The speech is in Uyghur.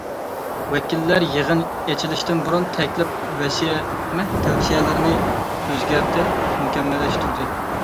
ۋەكىللەر يىغىن ئېچىلىشتىن بۇرۇن، تەكلىپ- تەۋسىيەلىرىنى ئۆزگەرتىپ مۇكەممەللەشتۈردى.